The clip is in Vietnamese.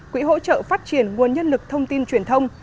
quỹ hỗ trợ phát triển nguồn nhân lực thông tin truyền thông